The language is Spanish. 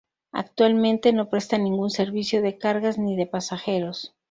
Actualmente, no presta ningún servicio de cargas ni de pasajeros.